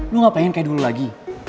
lu gak pengen kayak dulu lagi